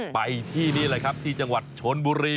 ไปที่นี่เลยครับที่จังหวัดชนบุรี